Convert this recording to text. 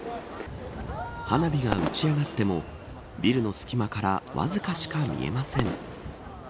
花火が打ち上がってもビルの隙間からわずかしか見えません。